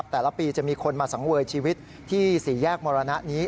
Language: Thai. แต่ละปีจะมีคนมาสังเวยชีวิตที่สี่แยกมรณะนี้